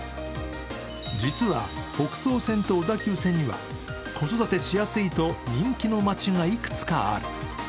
実は北総線と小田急線には子育てしやすいと人気の街がいくつかある。